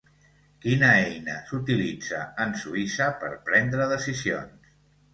Quina eina s'utilitza en Suïssa per prendre decisions?